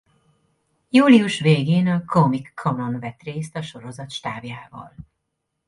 Július végén a Comic Con-on vett részt a sorozat stábjával.